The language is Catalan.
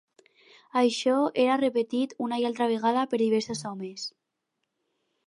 Això era repetit una i altra vegada per diversos homes